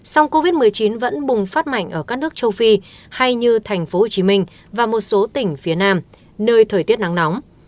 song covid một mươi chín vẫn bùng phát mạnh ở các nước châu phi hay như thành phố hồ chí minh và một số tỉnh phía nam nơi thời tiết nắng nóng